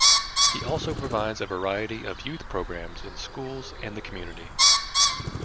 He also provides a variety of youth programs in schools and the community.